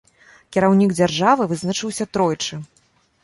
Кіраўнік дзяржавы вызначыўся тройчы.